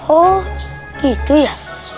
oh gitu ya